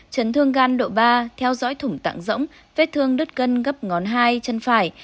chấn thương gan độ ba theo dõi thủng tạng rỗng vết thương đứt cân gấp ngón hai chân phải